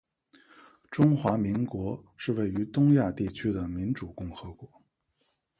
中华民国是位于东亚地区的民主共和国